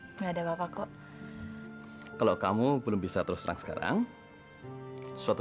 hai enggak kok pak ada apa kok kalau kamu belum bisa terus terang sekarang suatu